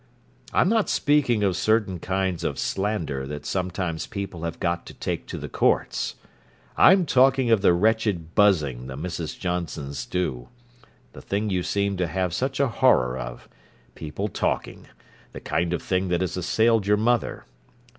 I'm not speaking of certain kinds of slander that sometimes people have got to take to the courts; I'm talking of the wretched buzzing the Mrs. Johnsons do—the thing you seem to have such a horror of—people 'talking'—the kind of thing that has assailed your mother.